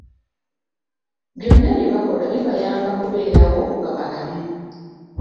Byonna bye bakola bibayamba kubeerawo nga balamu.